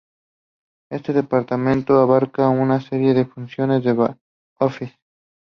Este departamento abarca una serie de funciones de back office.